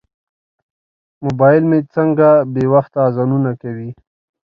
موبایل مې څنګه بې وخته اذانونه کوي.